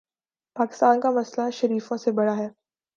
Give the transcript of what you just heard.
پاکستان کا مسئلہ شریفوں سے بڑا ہے۔